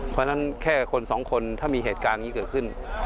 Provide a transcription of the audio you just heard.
เพราะฉะนั้นแค่คนสองคนถ้ามีเหตุการณ์นี้เกิดขึ้น